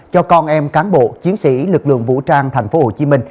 cho con em cán bộ chiến sĩ lực lượng vũ trang tp hcm